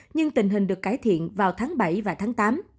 nhưng tình hình được cải thiện vào tháng bảy và tháng tám